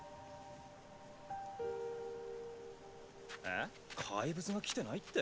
えっ怪物が来てないって？